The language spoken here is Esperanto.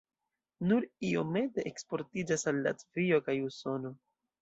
Nur iomete eksportiĝas al Latvio kaj Usono.